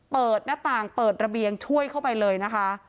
เปิดหน้าต่างเปิดระเบียงช่วยเข้าไปเลยนะคะ